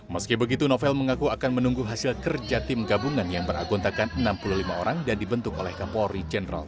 meski begitu novel mengaku akan menunggu hasil kerja tim gabungan yang beragontakan enam puluh lima orang dan dibentuk oleh kapolri jenderal